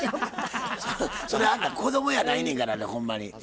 それあんた子供やないねんからねほんまに。